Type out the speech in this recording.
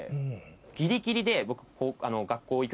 ギリギリで僕。